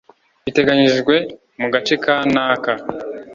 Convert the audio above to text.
biteganyijwe mu gace ka n aka